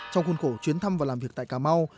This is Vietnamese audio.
trong khuôn khổ chuyến thăm và làm việc tại cà mau